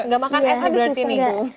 nggak makan es aja berarti nih bu